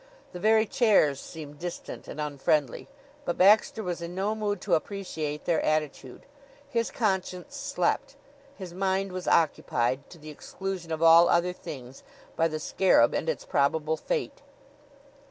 The very chairs seemed distant and unfriendly; but Baxter was in no mood to appreciate their attitude. His conscience slept. His mind was occupied, to the exclusion of all other things, by the scarab and its probable fate.